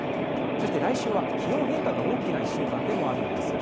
そして、来週は気温変化が大きな１週間でもあるんです。